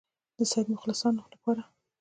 د سید مخلصانو لپاره.